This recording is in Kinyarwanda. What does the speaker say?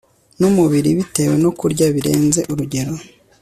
numubiri bitewe no kurya birenze urugero